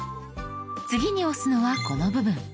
次に押すのはこの部分。